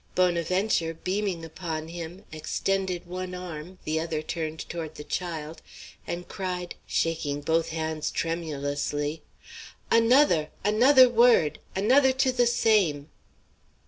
Bonaventure, beaming upon him, extended one arm, the other turned toward the child, and cried, shaking both hands tremulously: "Another! another word! another to the same!"